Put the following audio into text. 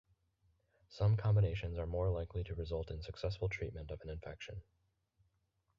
Some combinations are more likely to result in successful treatment of an infection.